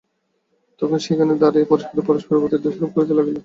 তখন সেইখানে দাঁড়াইয়া পরস্পর পরস্পরের প্রতি দোষারোপ করিতে লাগিল।